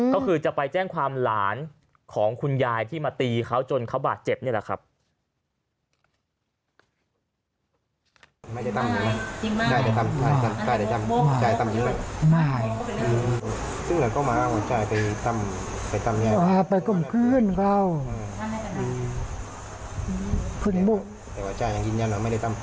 ก็คือจะไปแจ้งความหลานของคุณยายที่มาตีเขาจนเขาบาดเจ็บนี่แหละครับ